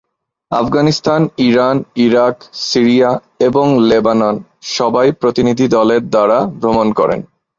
Afghanistan, Iran, Iraq, Syria এবং Lebanon সবাই প্রতিনিধিদলের দ্বারা ভ্রমণ করেন।